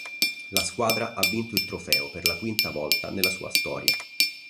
La squadra ha vinto il trofeo per la quinta volta nella sua storia.